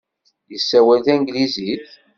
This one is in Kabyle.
Yessawal tanglizit?